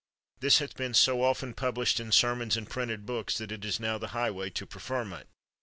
This hath been so often published in sermons and printed books, that it is now the highway to preferment